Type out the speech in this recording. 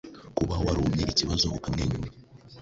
Kuba warumye ikibazo ukamwenyura